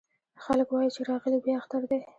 خلک وايې چې راغلی بيا اختر دی